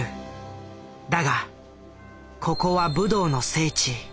だがここは武道の聖地。